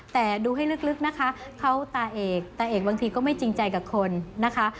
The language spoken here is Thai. แต่ดูให้ลึกนะคะเขาตาเอกตาเอกบางทีก็ไม่จริงใจกับคนนะคะ